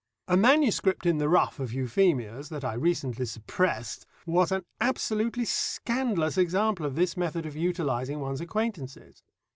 A manuscript in the rough of Euphemia's, that I recently suppressed, was an absolutely scandalous example of this method of utilising one's acquaintances.